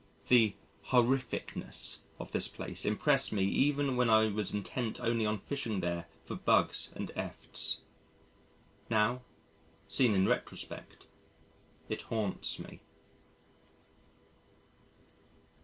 The horrificness of this place impressed me even when I was intent only on fishing there for bugs and efts. Now, seen in retrospect, it haunts me.